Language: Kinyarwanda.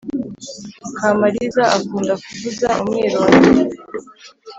kamariza akunda kuvuza umwirongi